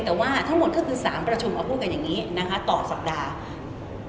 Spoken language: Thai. ทั้งหมดถึง๓ประชุมเค้าพูดกันต่อสัปดาห์